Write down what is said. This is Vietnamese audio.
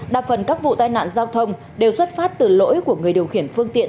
đa phần các vụ tai nạn giao thông đều xuất phát từ lỗi của người điều khiển phương tiện